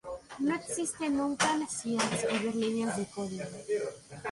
No existe nunca necesidad de escribir líneas de código.